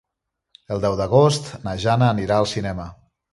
El deu d'agost na Jana anirà al cinema.